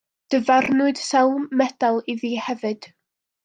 Dyfarnwyd sawl medal iddi hefyd.